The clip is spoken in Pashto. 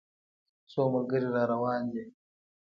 څو ملګري را روان دي.